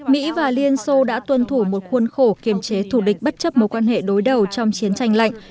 mỹ và liên xô đã tuân thủ một khuôn khổ kiềm chế thủ địch bất chấp mối quan hệ đối đầu trong chiến tranh lạnh